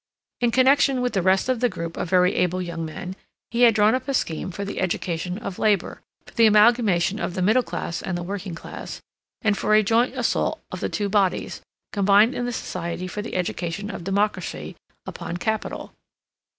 In connection with the rest of the group of very able young men he had drawn up a scheme for the education of labor, for the amalgamation of the middle class and the working class, and for a joint assault of the two bodies, combined in the Society for the Education of Democracy, upon Capital.